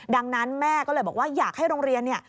ดังนั้นแม่ก็เลยบอกว่าอยากให้โรงเรียนเนี่ย